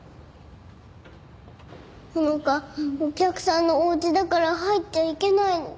穂花お客さんのお家だから入っちゃいけないの。